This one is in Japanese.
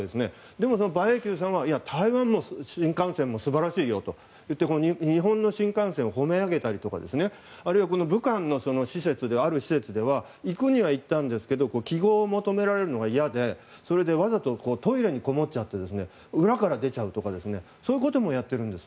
でも馬英九さんはいや、台湾の新幹線も素晴らしいよと言って日本の新幹線を褒め上げたりあるいは、武漢のある施設では行くには行ったんですが記簿を求められるのがいやでわざとトイレにこもっちゃって裏から出ちゃうとかそういうこともやっているんです。